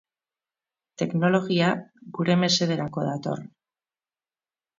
Teknologia gure mesederako dator.